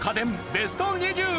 ベスト２０！